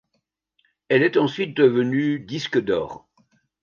Elle est ensuite devenue disque d'or.